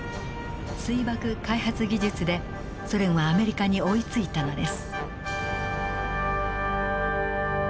水爆開発技術でソ連はアメリカに追いついたのです。